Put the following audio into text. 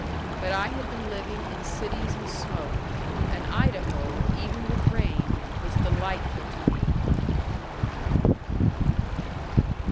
But I had been living in cities and smoke; and Idaho, even with rain, was delightful to me.